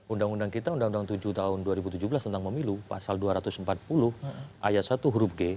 undang undang kita undang undang tujuh tahun dua ribu tujuh belas tentang pemilu pasal dua ratus empat puluh ayat satu huruf g